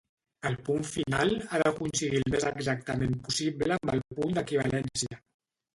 El punt final ha de coincidir el més exactament possible amb el punt d'equivalència.